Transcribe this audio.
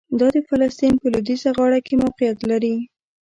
دا د فلسطین په لویدیځه غاړه کې موقعیت لري.